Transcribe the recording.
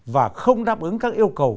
và không đáp ứng các yêu cầu